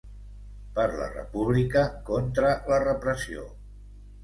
Per la república, contra la repressió.